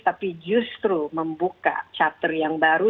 tapi justru membuka charter yang baru